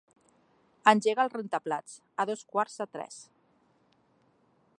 Engega el rentaplats a dos quarts de tres.